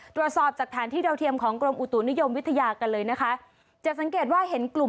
ฮัลโหลฮัลโหลฮัลโหลฮัลโหลฮัลโหลฮัลโหลฮัลโหล